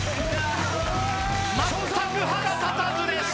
まったく歯が立たずです